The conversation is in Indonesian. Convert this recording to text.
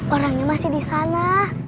orangnya masih di sana